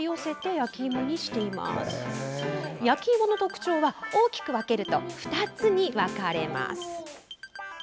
焼きいもの特徴は大きく分けると２つに分かれます。